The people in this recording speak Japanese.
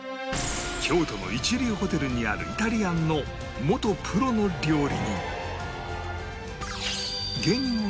京都の一流ホテルにあるイタリアンの元プロの料理人